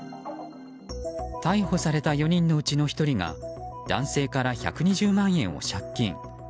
逮捕された４人のうちの１人が男性から１２０万円を借金。